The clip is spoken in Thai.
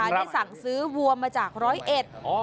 ที่สั่งซื้อวัวมาจากร้อยเอ็ด